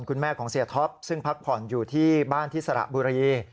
คุณแม่ของเสียท็อปซึ่งพักผ่อนอยู่ที่บ้านที่สระบุรี